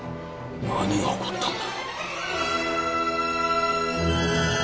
何が起こったんだ？